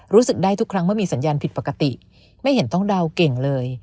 รู้สึกได้ทุกครั้งเมื่อมีสัญญาณผิดปกติไม่เห็นต้องเดาเก่งเลย